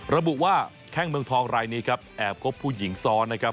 ระบุว่าแข้งเมืองทองรายนี้ครับแอบคบผู้หญิงซ้อนนะครับ